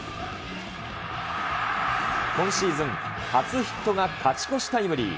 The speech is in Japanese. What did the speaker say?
今シーズン初ヒットが勝ち越しタイムリー。